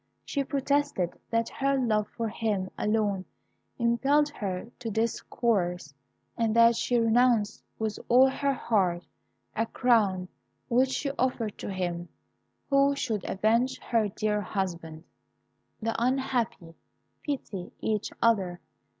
She protested that her love for him alone impelled her to this course, and that she renounced, with all her heart, a crown which she offered to him who should avenge her dear husband. "The unhappy pity each other.